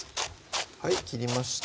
はい切りました